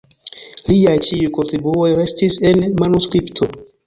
Liaj ĉiuj kontribuoj restis en manuskripto.